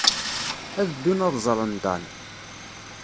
Ad ddun ad ẓren Dan.